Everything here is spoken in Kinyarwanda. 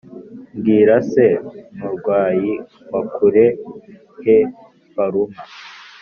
mbwira se murwayi wakura he faruma